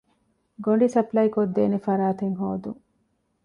ގޮނޑި ސަޕްލައިކޮށްދޭނެ ފަރާތެއް ހޯދުން